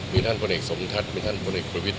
มีท่านพลเอกสมทัศน์มีท่านผลเอกประวิทย